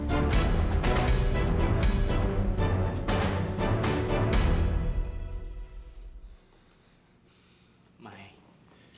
aku cinta sama dia